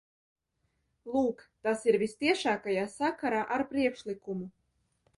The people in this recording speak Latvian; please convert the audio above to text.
Lūk, tas ir vistiešākajā sakarā ar priekšlikumu.